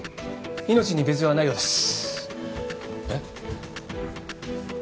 命に別条はないようです。